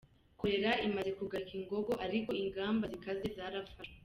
Kolera imaze kugarika ingogo, ariko ingamba zikaze zarafashwe….